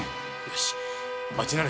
よし。